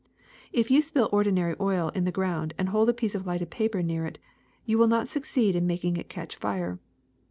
If you spill ordinary oil on the ground and hold a piece of lighted paper near it, you will not succeed in making it catch fire.